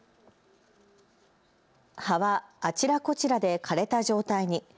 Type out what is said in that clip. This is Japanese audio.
葉はあちらこちらで枯れた状態に。